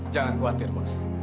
jangan khawatir bos